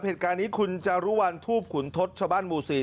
เหตุการณ์นี้คุณจารุวัลทูบขุนทศชาวบ้านหมู่๔